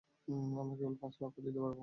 আমরা কেবল পাঁচ লক্ষ দিতে পারব।